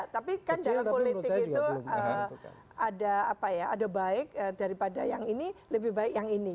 tapi kan dalam politik itu ada baik daripada yang ini lebih baik yang ini